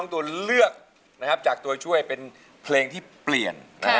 ตัวเลือกจากตัวช่วยเป็นเพลงที่เปลี่ยน